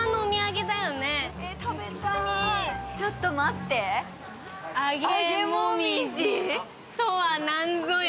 ちょっと待って揚げもみじとは何ぞや？